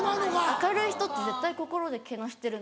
明るい人って絶対心でけなしてるんで。